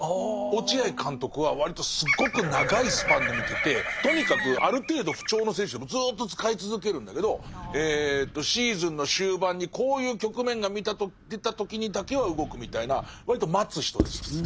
落合監督は割とすごく長いスパンで見ててとにかくある程度不調の選手でもずっと使い続けるんだけどシーズンの終盤にこういう局面が出た時にだけは動くみたいな割と待つ人ですね。